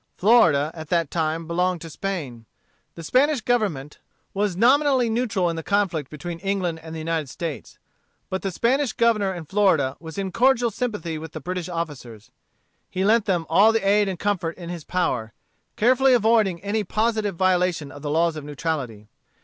Florida, at that time, belonged to Spain. The Spanish Government was nominally neutral in the conflict between England and the United States. But the Spanish governor in Florida was in cordial sympathy with the British officers. He lent them all the aid and comfort in his power, carefully avoiding any positive violation of the laws of neutrality.